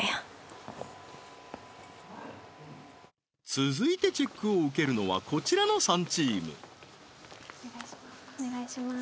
続いてチェックを受けるのはこちらの３チームお願いします